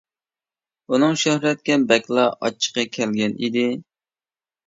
ئۇنىڭ شۆھرەتكە بەكلا ئاچچىقى كەلگەن ئىدى.